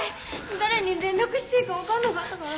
誰に連絡していいか分かんなかったから。